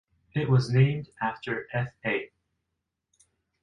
It was named after F. A.